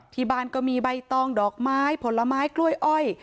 ที่บ้านก็มีใบตองดอกไม้ผลไม้กล้วยอ้อย